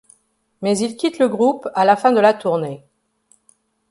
Mais il quitte le groupe à la fin de la tournée.